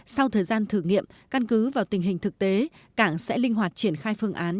sau thời gian thử nghiệm căn cứ vào tình hình thực tế cảng sẽ linh hoạt triển khai phương án